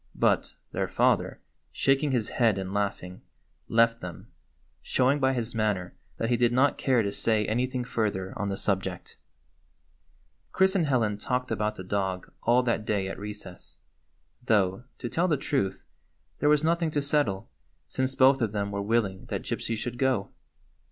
But, their father, shaking his head and laughing, left them, sliow 102 PLANS FOR A JOURNEY ing by liis manner that he did not care to say anything further on the subject. Chris and Helen talked about the dog all that day at recess; though, to tell the truth, there was nothing to settle, since both of them were willing that Gypsy should go.